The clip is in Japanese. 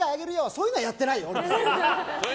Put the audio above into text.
そういうのはやってないよ。